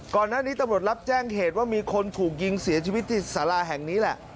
ก่อนหน้านี้ตำรวจรับแจ้งเหตุว่ามีคนถูกยิงเสียชีวิตที่สาราแห่งนี้แหละ